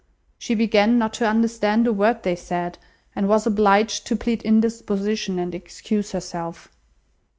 She began not to understand a word they said, and was obliged to plead indisposition and excuse herself.